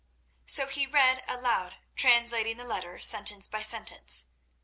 So he read aloud, translating the letter sentence by sentence.